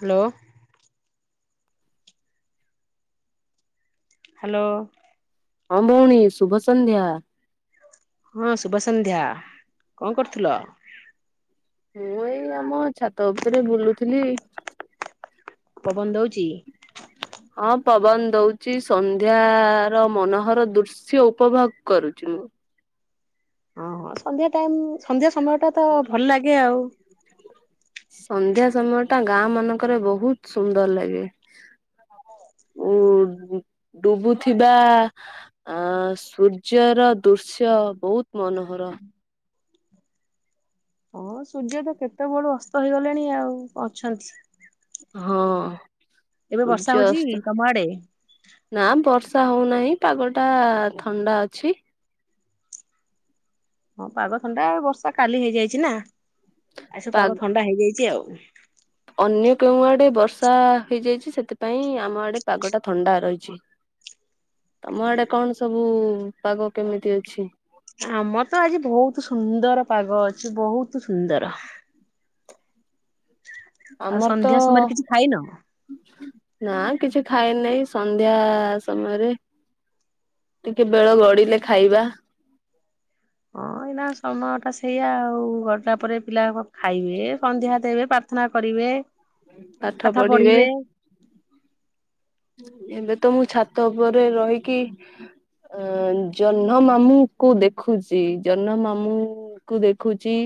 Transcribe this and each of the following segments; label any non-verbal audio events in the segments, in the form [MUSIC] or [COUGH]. Hello. Hello. ହଁ ଭଉଣୀ ଶୁଭ ସନ୍ଧ୍ୟା। ହଁ ସୁୁଭ ସନ୍ଧ୍ୟା କଣ କରୁଥିଲ? ମୁଁ ଏଇ ଆମ ଛାତ ଉପରେ ବୁଲୁଥିଲି। ପବନ ଦୋଉଛି। ହଁ ପବନ ଦଉଛି ସନ୍ଧ୍ୟ ର ମନୋହର ଦୁ ସ ଉପଭୋଗ କରୁ ହଁ ସନ୍ଧ୍ୟା ଟାଇମ ସନ୍ଧ୍ୟା ସମୟ ଟା ତ ଭଲ ଲାଗେ ଆଉ। ସନ୍ଧ୍ୟା ସମୟ ଟା ଗାଁ ମାନଙ୍କରେ ବହୁତ ସୁନ୍ଦର ଲାଗେ। ଉ ଡୁବୁଥିବା ଆ ସୂର୍ଯ୍ୟ ର ଦୃଶ୍ୟ ବହୁତ ମନୋହର। ହଁ ସୂର୍ଯ୍ୟ ତ କେତେବେଳୁ ଅସ୍ତ ହେଇଗଲେଣି ଆଉ ଅଛନ୍ତି। ହଁ ଏବେ ବର୍ଷା ସୂର୍ଯ୍ୟ ହଉଛି ଅସ୍ଥ ତମ ଆଡେ ନା ବର୍ଷା ହୋଉନାହିଁ ପାଗଟା ଥଣ୍ଡା ଅଛି। ହଁ ପାଗ ଥଣ୍ଡା ବର୍ଷା କାଲି ହେଇଯାଇଚିନା ଆସବୁ ପା ପାଗ ଥଣ୍ଡା ହେଇଯାଇଚି ଆଉ। ଅନ୍ୟ କେଉଁ ଆଡେ ବର୍ଷା ହେଇଯାଇଛି ସେଥିପାଇଁ ଆମ ଆଡେ ପାଗ ଟା ଥଣ୍ଡା ରହିଛି। ତମ ଆଡେ କଣ ସବୁ ପାଗ କେମିତି ଅଛି? ଆମର ତ ଆଜି ଭୋଉତୁ ସୁନ୍ଦର ପାଗ ଅଛି ବୋହୁତୁ ସୁନ୍ଦର। ଆଉ ଆମର ତ ସନ୍ଧ୍ୟା ସମୟରେ କିଛି ଖାଇନ? ନା କିଛି ଖାଇନେଇ ସନ୍ଧ୍ୟା ସମୟରେ। ଟିକେ ବେଳ ଗଡିଲେ ଖାଇବା। କହିଁନା ସମୟଟା ସେଇଆ ଆଉ ଗରଟା ପରେ ପିଲା ଖାଇବେ ସନ୍ଧ୍ୟା ଦେବେ ପ୍ରାର୍ଥନା କରିବେ। ପାଠ ପଢିବେ। ଏବେ ତ ମୁଁ ଛାତ ଉପରେ ରହିକି ଅଁ ଜନ୍ହ ମାମୁଁ କୁ ଦେଖୁଚି ଜନ୍ହ ମାମୁଁ କୁ ଦେଖୁଚି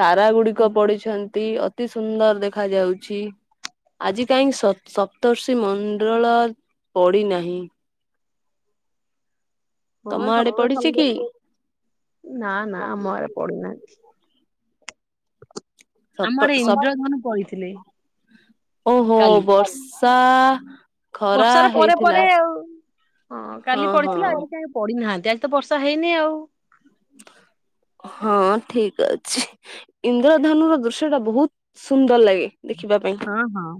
ତାରାଗୁଡିକ ପଡିଛନ୍ତି। ଅତି ସୁନ୍ଦର୍ ଦେଖାଯାଉଛି ଆଜି କାଇଁ ସପ୍ତର୍ଷି ମଁ ଅଣ୍ଡଳ ପଡିନାହିଁ। ହଁ ତମ ଆଡେ ସପ୍ତର୍ଷି ପଡିଛି କି? ମଣ୍ଡଳ ନାନା ଆମ ଆଡ଼େ ପଡ଼ିନାହାନ୍ତି ସପ ଆମ ଆଡେ ସପ ଇନ୍ଦ୍ରଧନୁ ପଡିଥିଲେ। ଓହୋ କାଲି ବର୍ଷା ଖରା ବର୍ଷାର ପରେ ହେଇଥିଲା ପରେ ଆଉ ହଁ କାଲି ପଡିଥିଲା ଆଜି କାଇଁ ପଡିନାହାନ୍ତି ଆଜି ତ ବର୍ଷା ହେଇନି ଆଉ। ହ [UNINTELLIGIBLE] ହଁ ଠିକ୍ ଅଛି। ଇନ୍ଦ୍ରଧନୁର ଦୃଶ୍ୟ ଟା ବୋହୁତ୍ ସୁନ୍ଦର୍ ଲାଗେ ଦେଖିବା ପାଇଁ। ହଁ ହଁ।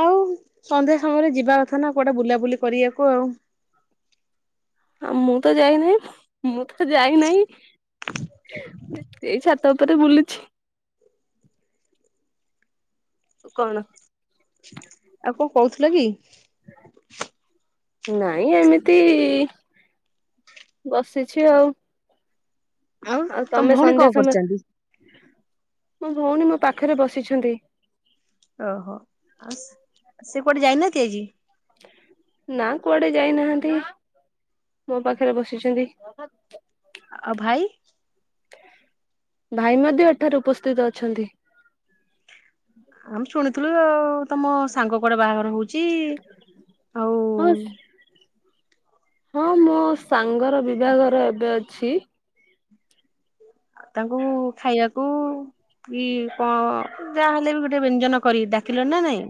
ଆଉ ସନ୍ଧ୍ୟା ସମୟରେ ଯିବା କଥା ନା କୁଆଟା ବୁଲାବୁଲି କରିବାକୁ ଆଉ। ହଁ ମୁଁ ତ ଯାଇନାହିଁ ମୁଁ ତ ଯାଇନାହିଁ ଏଇ ଛା ତାପରେ ବୁଲିଛି। କଣ? ଆଉ କଁ କୋଉଥୁଲ କି? ନାଇଁ ଏମିତି ବସିଛି ଆଉ। ଆଉ ତମ ତମେ ଭଉଣୀ କଣ ସନ୍ଧ୍ୟା କରୁଛନ୍ତି? ସମୟ ମୋ ଭଉଣୀ ମୋ ପାଖରେ ବସିଛନ୍ତି। ଓହୋ ଆଉ ସେ କୁଆଡେ ଯାଇନାହାନ୍ତି ଆଜି? ନା କୁଆଡେ ଯାଇନାହାନ୍ତି। ମୋ ପାଖରେ ବସିଛନ୍ତି। ଆ ଭାଇ? ଭାଇ ମଧ୍ୟ ଏଠାରେ ଉପସ୍ଥିତ ଅଛନ୍ତି। ଆମେ ଶୁଣିଥିଲୁ ଆଉ ତମ ସାଙ୍ଗ କୁଆଡେ ବାହାଘର ହୋଉଚି ଆଉ ହଁ ହଁ ମୋ ସାଙ୍ଗର ବିଭାହର ଏବେ ଅଛି। ତାଙ୍କୁ ଖାଇବାକୁ କି କଁ ଯାହେଲେ ବି ଗୋଟେ ବ୍ୟଞ୍ଜନ କରିକି ଡାକିଲଣି ନା ନାଇଁ?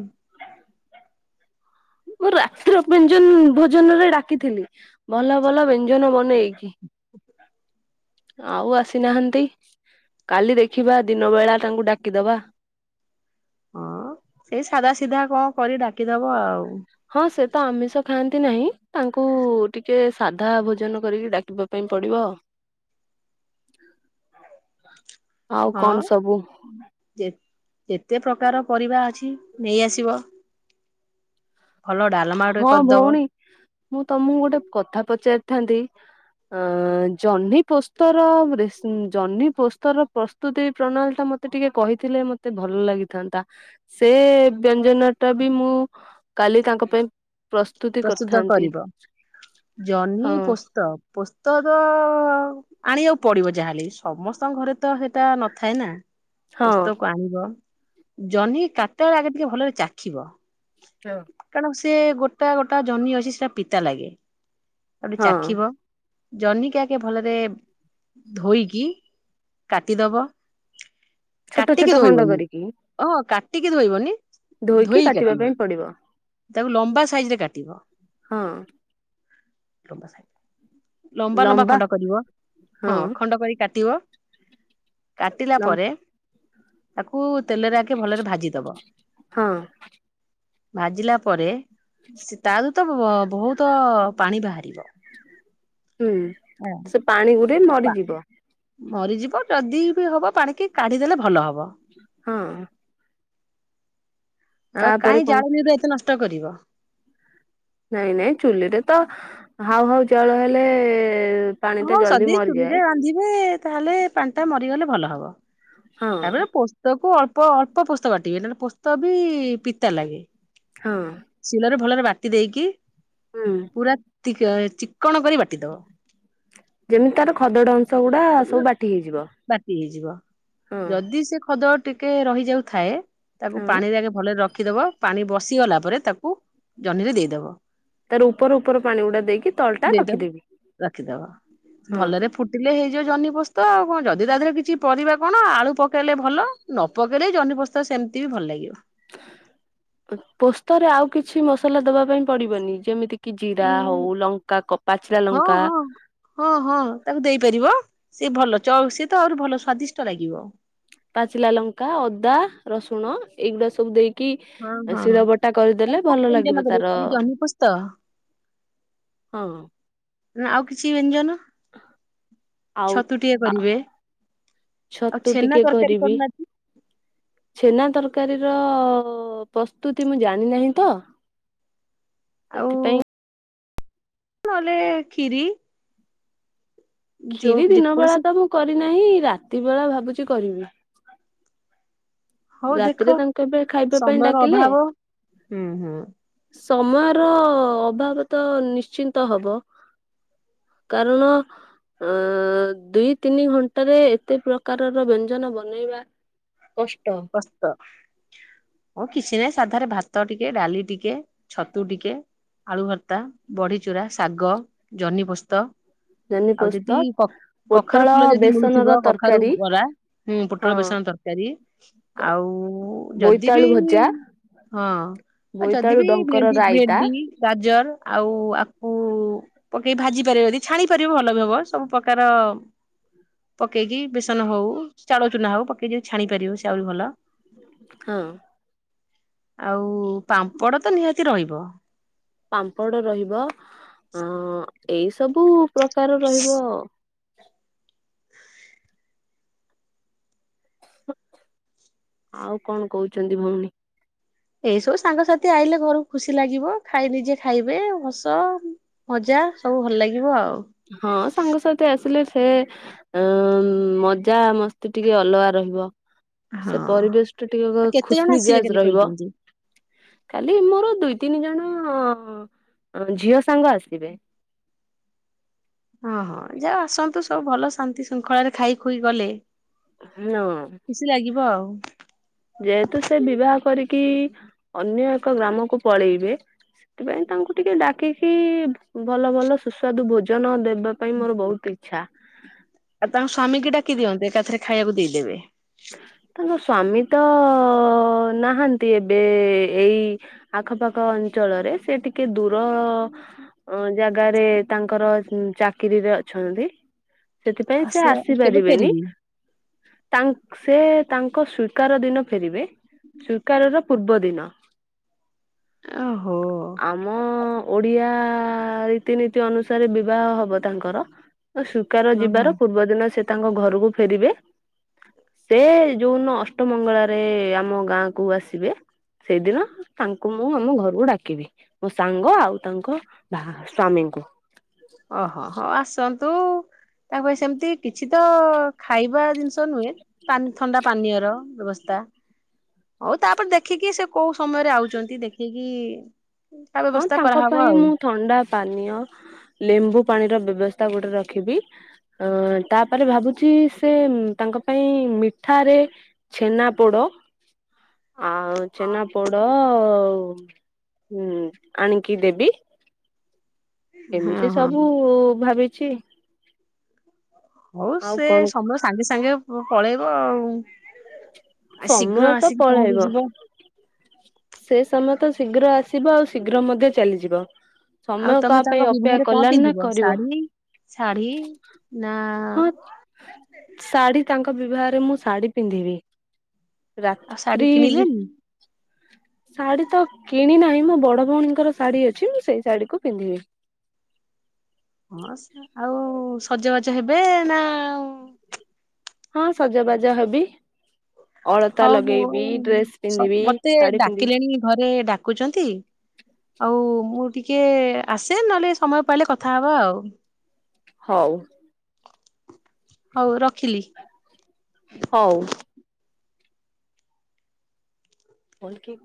ମୁଁ ରାତ୍ର ବ୍ୟଞ୍ଜନ୍ ଭୋଜନରେ ଡାକିଥିଲି ଭଲ ଭଲ ବ୍ୟଞ୍ଜନ ବନେଇକି। ଆଉ ଆସିନାହାନ୍ତି କାଲି ଦେଖିବା ଦିନ ବେଳା ତାଙ୍କୁ ଡାକିଦବା। ହଁ ସେଇ ସାଧା ସିଧା କଣ କରି ଡାକିଦବ ଆଉ ହଁ ସେ ତ ଆମିଷ ଖାଆନ୍ତି ନାହିଁ ତାଙ୍କୁ ଟିକେ ସାଧା ଭୋଜନ କରିକି ଡାକିବ? ପାଇଁ ପଡିବ। ଆଉ କଣ ହଁ ସବୁ? ଯେତେ ପ୍ରକାର ପରିବା ଅଛି ନେଇଆସିବ। ଭଲ ଡାଲମା। ଗୋଟେ ହଁ କରିଦବ ଭଉଣୀ ମୁଁ ତମକୁ ଗୋଟେ କଥା ପଚାରିଥାନ୍ତି? ହଁ ଜହ୍ନି ପୋସ୍ତର ଜହ୍ନି ପୋସ୍ତର। ପ୍ରସ୍ତୁତ ପ୍ରଣାଳିଟା ମତେ ଟିକେ କହିଥିଲେ ମତେ ଭଲ ଲାଗିଥାନ୍ତା। ସେ ବ୍ୟଞ୍ଜନଟା ବି ମୁଁ କାଲି ତାଙ୍କ ପାଇଁ ପ୍ରସ୍ତୁତି ପ୍ରସ୍ତୁତ କରିଥାନ୍ତି କରିବ ଜହ୍ନି ହଁ ପୋସ୍ତ ପୋସ୍ତର ଆଣିବାକୁ ପଡିବ ଯାହାହେଲେ ସମସ୍ତଙ୍କ ଘରେ ତ ସେଇଟା ନଥାଏ ନା। ହଁ। ପୋସ୍ତକ ଆଣିବ ଜହ୍ନି କାଟିଲା ବେଳେ ଆଗେ ଟିକେ ଭଲରେ ଚାଖିବ। ହଁ। କାରଣ ସେ ଗୋଟା ଗୋଟା ଜହ୍ନି ଅଛି ସେଟା ପିତା ଲାଗେ ତାକୁଟିକେ ହଁ ଚାଖିବ? ଜହ୍ନିକି ଆଗେ ଭଲରେ ଧୋଇକି କାଟିଦବ। ଛୋଟ କାଟିକି ଛୋଟ ଖଣ୍ଡ ଧୋଇବନି କରିକି ହଁ କାଟିକି ଧୋଇବନି ଧୋଇକି କାଟିବା କାଟିବ। ପାଇଁ ପଡିବ ତାକୁ ଲମ୍ବା ସାଇଜରେ କାଟିବ। ହଁ। ତମ ସାହି। ଲମ୍ବା ଲମ୍ବା ଖଣ୍ଡ କରିବ ହଁ ଖଣ୍ଡ କରି କାଟିବ। କାଟିଲା ଲମ୍ ପରେ ତାକୁ ତେଲରେ ଆଗେ ଭଲରେ ଭାଜି ଦବ ହଁ ଭାଜିଲା ପରେ ସେ ତାରୁ ତ ବହୁତ ପାଣି ବାହାରିବ। ହୁଁ ସେ ପାଣି ଗୁରେ ମରିଯିବ। ମରିଯିବ ଯଦି ବି ହବ ପାଣିକି କାଢିଦେଲେ ଭଲ ହବ। ହଁ। ଆଉ ତାପରେ କାଇଁ କଣ ଜାଳେଣି ଗୁରା ଏତେ ନଷ୍ଟ କରିବ। ନାଇଁ ନାଇଁ ଚୁଲିରେ ତ ହାଉ ହାଉ ଜାଳ ହେଲେ। ପାଣି ଟା ହଁ ଜଲ୍ଦି ଯଦି ମରିଯାଏ ଚୁଲିରେ ବାନ୍ଧିବେ ତାହେଲେ ପାଣିଟା ମରିଗଲେ ଭଲ ହବ। ହଁ। ତାପରେ ପୋସ୍ତକ ଅଳ୍ପ ଅଳ୍ପ ପୋସ୍ତକ ବାଟିବେ ନଲେ ପୋସ୍ତକ ବି ପିତା ଲାଗେ। ହଁ। ଶିଲରେ ଭଲରେ ବାଟି ଦେଇକି। ହୁଁ। ପୁରା ତିକ ଚିକ୍। ଯେମିତି ତାର ଖଦଡ ଅଂଶ ଗୁଡା ସବୁ ବାଟି ହେଇଯିବ। ବାଟି ହେଇଯିବ ହଁ ଯଦି ସେ ଖଦଡ ଟିକେ ରହି ଯାଉଥାଏ। ତାକୁ ହଁ। ପାଣିରେ ଆଗେ ଭଲରେ ରଖିଦବ ପାଣି ବସିଗଲା ପରେ ତାକୁ ଜହ୍ନିରେ ଦେଇଦବ। ତାର ଉପର ଉପର ପାଣି ଗୁଡା ଦେଇକି ତଳଟା ଦେଇଦବ ରଖିଦେବି ହଁ। ହେଲେ ହେଇଯିବ ଜହ୍ନି ପୋସ୍ତ ଆଉ କଣ ଯଦି ତା ଦେହରେ କିଛି ପରିବା କଣ ଆଳୁ ପକେଇଲେ ଭଲ। ନ ପକେଇଲେ ଜହ୍ନି ପୋସ୍ତ ସେମିତି ବି ଭଲ ଲାଗିବ। ପୋସ୍ତରେ ଆଉ କିଛି ମସଲା ଦବା ପାଇଁ ପଡିବନି ଯେମିତି କି ଜିରା ହଉ ଲଙ୍କା କ ପାଚିଲା ହଁ ଲଙ୍କା। ହଁ ହଁ ହଁ ତାକୁ ଦେଇପାରିବ। ସିଏ ଭଲ ସିଏ ତ ଆହୁରି ଭଲ ସ୍ଵାଦିଷ୍ଟ ଲାଗିବ। ପାଚିଲା ଲଙ୍କା ଅଦା ରସୁଣ ଏଇଗୁଡା ସବୁ ଦେଇ କି ହଁ ହଁ ଶିଳ ବଟା ଆଉ କରିଦେଲେ କଣ ଭଲ ବ୍ୟଞ୍ଜନ ଲାଗିବ କରିବେ ତାର। ଖାଲି ଜହ୍ନି ପୋସ୍ତ ହଁ ହଁ। ଆଉ କିଛି ବ୍ୟଞ୍ଜନ, ଆଉ ଛତୁଟିଏ ଆ କରିବେ। ଆଉ ଛତୁ ଛେନା ଟିକେ ତରକାରୀ କରିବି। କରୁନାହାନ୍ତି ଛେନା ତରକାରୀର ପ୍ରସ୍ତୁତି ମୁଁ ଜାଣିନାହିଁ ତ ହ ସେଥିପାଇଁ ନହେଲେ ଖୀରି। କ୍ଷୀରି ଦିନ ବେଳା ଯେକୌଣସି ତ ମୁଁ କରିନାହିଁ, ରାତି ବେଳା ଭାବୁଚି କରିବି। ହଉ ଦେଖ ରାତିରେ ତାଙ୍କୁ ଏବେ ଖାଇବା ପାଇଁ ସମୟର ଡାକିଲେ ଅଭାବ ହୁଁ ହୁଁ ସମୟର ଅଭାବ ତ ନିଶ୍ଚିନ୍ତ ହବ। କାରଣ ଅ ଦୁଇ ତିନି ଘଣ୍ଟାରେ ଏତେ ପ୍ରକାରର ବ୍ୟଞ୍ଜନ ବନେଇବା କଷ୍ଟ। କଷ୍ଟ। ହଁ କିଛି ନାହିଁ ସାଧାରେ ଭାତ ଟିକେ, ଡାଲି ଟିକେ, ଛତୁ ଟିକେ ଆଳୁ ଭର୍ତା, ବଢିଚୁରା, ଶାଗ ଜହ୍ନି ପୋସ୍ତ ଆଉ ଜହ୍ନିପୋସ୍ତ ଯଦି କ କଖାରୁ ପୋଟଳ ଫୁଲ ଯଦି ମିଳୁଥିବ ବେସନର କଖାରୁ ତରକାରୀ ବରା, ହୁଁ ହଁ ପୋଟଳ ବେସନ ତର କାରୀ, ଆଉ ଯଦି ବି ବୋଇତାଳୁ ଭଜା ହଁ। ଆ ଯଦି ବୋଇତାଳୁ ବି ଡଙ୍କର ଭେଣ୍ଡି ରାଇତା ଭେଣ୍ଡି ଗାଜର ଆଉ ଆକୁ ପକେଇ ଭାଜି ପାରିବ। ଯଦି ଛାଣି ପାରିବ ଭଲ ବି ହବ। ସବୁ ପ୍ରକାର ପକେଇକି ବେସନ ହଉ ଚାଉଳ ଚୁନା ହଉ ପକେଇକି ଛାଣି ପାରିବ ସେ ଆହୁରି ଭଲ। ହଁ। ଆଉ ପାମ୍ପଡ ତ ନିହାତି ରହିବ। ପାମ୍ପଡ ରହିବ। ଅ ଏଇ ସବୁ ପ୍ରକାର ରହିବ। ଆଉ କଣ କହୁଛନ୍ତି ଭଉଣୀ? ଏଇସବୁ ସାଙ୍ଗସାଥି ଆଇଲେ ଘରକୁ ଖୁସି ଲାଗିବ। ଖାଇ ନିଜେ ଖାଇବେ ହସ ମଜା ସବୁ ଭଲ ଲାଗିବ ଆଉ। ହଁ ସାଙ୍ଗସାଥି ଆସିଲେ ସେ ଏମ୍ ମଜା ମସ୍ତି ଟିକେ ଅଲଗା ରହିବ। ସେ ହଁ। ପରିବେଶ ଟା ଆଉ ଟିକେ କେତେ ଜଣ ଆସିବେ ଖୁସମିଜାଜ୍ କାଲି ରହିବ। କହିଛନ୍ତି? ଖାଲି ମୋର ଦୁଇ ତିନି ଜଣ ଝିଅ ସାଙ୍ଗ ଆସିବେ। ହଁ ହଁ ଯାହା ଆସନ୍ତୁ ସବୁ ଭଲ ଶାନ୍ତି ଶୃଙ୍ଖଳାରେ ଖାଇ ଖୁଇ ଗଲେ [UNINTELLIGIBLE] ଖୁସି ଲାଗିବ ଆଉ। ଯେହେତୁ ସେ ବିବାହ କରିକି ଅନ୍ୟ ଏକ ଗ୍ରାମକୁ ପଳେଇବେ ସେଥିପାଇଁ ତାଙ୍କୁ ଟିକେ ଡାକିକି ଭଲ ଭଲ ସୁସ୍ୱାଦୁ ଭୋଜନ ଦେ ବା ପାଇଁ ମୋର ବହୁତ ଇଚ୍ଛା। ଆ ତାଙ୍କ ସ୍ୱାମୀ କି ଡାକିଦିଅନ୍ତେ ଏକାଥରେ ଖାଇବାକୁ ଦେଇଦେବେ। ତାଙ୍କ ସ୍ଵାମୀ ତ ନାହାନ୍ତି ଏବେ ଏଇ ଆଖପାଖ ଅଞ୍ଚଳରେ, ସେ ଟିକେ ଦୂର ଜାଗାରେ ତାଙ୍କର ଚାକିରିରେ ଅଛନ୍ତି। ସେଥିପାଇଁ ଆ ସେ କେବେ ଆସିପାରିବେନି, ଫେରିବେ? ତା ସେ ତାଙ୍କ ସ୍ୱୀକାର ଦିନ ଫେରିବେ। ସ୍ୱୀକାରର ପୂର୍ବଦିନ। ଓହୋ ଆମ ଓଡ଼ିଆ ରୀତିନୀତି ଅନୁସାରେ ବିବାହ ହବ ତାଙ୍କର। ସ୍ଵିକାର ହଁ ହଁ। ଯିବାର ପୂର୍ବ ଦିନ ସେ ତାଙ୍କ ଘରକୁ ଫେରିବେ। ସେ ଯୋଉଦିନ ଅଷ୍ଟମଙ୍ଗଳାରେ ଆମ ଗାଁ କୁ ଆସିବେ। ସେଇଦିନ ତାଙ୍କୁ ମୁଁ ଆମ ଘରକୁ ଡାକିବି। ମୋ ସାଙ୍ଗ ଆଉ ତାଙ୍କ ବାଃ ସ୍ଵାମୀଙ୍କୁ। ଓହୋ ହଉ ଆସନ୍ତୁ ତାଙ୍କ ପାଇଁ ସେମିତି କିଛି ତ ଖାଇବା ଜିନିଷ ନୁହେଁ ପାନ୍ ଥଣ୍ତା ପାନୀୟ ର ବ୍ୟବସ୍ଥା। ହଉ ତାପରେ ଦେଖିକି ସେ କୋଉ ସମୟରେ ଆଉଛନ୍ତି ଦେଖିକି ତା ହଁ ବ୍ୟବସ୍ଥା ତାଙ୍କ କରାହବ ପାଇଁ ଆଉ। ମୁଁ ଥଣ୍ଡା ପାନୀୟ ଲେମ୍ବୁ ପାଣିର ବ୍ୟବସ୍ଥା ଗୋଟେ ରଖିବି। ଅ ତାପରେ ଭାବୁଛି ସେ ତାଙ୍କ ପାଇଁ ମିଠାରେ ଛେନାପୋଡ଼ ଆଉ ଛେନାପୋଡ଼ ଆଣିକି ଦେବି। ହଁ ଏମିତି ହଁ ସବୁ ଭାବିଛି। ହଉ ଆଉ ସେ କଣ ସମୟ ସାଙ୍ଗେ ସାଙ୍ଗେ ପଳେଇବ ଆଉ। ଆ ସମୟ ଶୀଘ୍ର ତ ଆସିକି ପହଞ୍ଚି ପଳେଇବ ଯିବେ। ସେ ସମୟ ତ ଶୀଘ୍ର ଆସିବ ଆଉ ଶୀଘ୍ର ମଧ୍ୟ ଚାଲିଯିବ। ଆଉ ସମୟ ତମେ କାହା ପାଇଁ ତାଙ୍କ ଅପେକ୍ଷା ବିବାହରେ କଣ କଲାନି ନା ପିନ୍ଧିବ? କରିବ ଶାଢ଼ୀ ଶାଢ଼ୀ ନା ଶାଢ଼ୀ ତାଙ୍କ ବିବାହରେ ମୁଁ ଶାଢ଼ୀ ପିନ୍ଧିବି। ଆଉ ଶାଢ଼ୀ ରାତ୍ରି କିଣିଲେନି? ଶାଢ଼ୀ ତ କିଣିନାହିଁ ମୋ ବଡ଼ ଭଉଣୀଙ୍କର ଶାଢ଼ୀ ଅଛି। ମୁଁ ସେଇ ଶାଢ଼ୀକୁ ପିନ୍ଧିବି। ହଁ ଆଉ ସଜବାଜ ହେବେ ନା ଆଉ ହଁ ସଜବାଜ ହେବି। ଅଳତା ହଉ ମୁଁ ଲଗେଇବି ଡ୍ରେସ ସ ପିନ୍ଧିବି ମତେ ଶାଢୀ ପିନ୍ଧିବି ଡାକିଲେଣି ଘରେ ବା କୁ ଛନ୍ତି ଆଉ ମୁ ଟିକେ ଆସେ ନହେଲେ ସମୟ ପାଇଲେ କଥାହବା ଆଉ। ହଉ। ହଉ ରଖିଲି। ହଉ। ମଲ୍ କି